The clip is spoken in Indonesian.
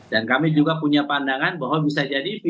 dan kami juga punya pandangan bahwa bisa jadi peta